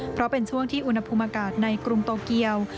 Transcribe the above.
เพราะเป็นช่วงที่อุณหภูมิอากาศในกรุงโตเกียว